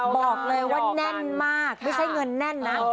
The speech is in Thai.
บอกเลยว่าแน่นมากไม่ใช่เงินแน่นนะ